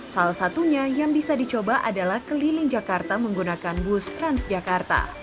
salah satunya yang bisa dicoba adalah keliling jakarta menggunakan bus transjakarta